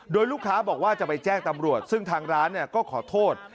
โดยลูกค้าบอกว่าจะไปแจ้งตำรวจซึ่งทางร้านก็ขอโทษ